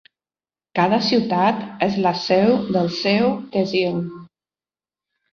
Cada ciutat és la seu del seu tehsil.